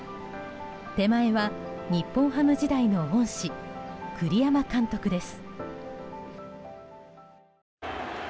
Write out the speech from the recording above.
手前は日本ハム時代の恩師栗山監督です。